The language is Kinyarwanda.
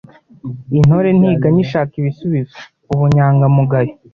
Intore ntiganya ishaka ibisubizo Ubunyangamugayo